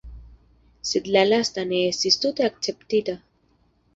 Sed la lasta ne estis tute akceptita.